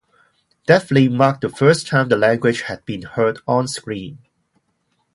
That film marked the first time the language had been heard on screen.